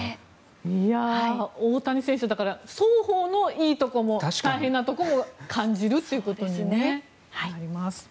大谷選手だから、双方のいいところも大変なところも感じるということになります。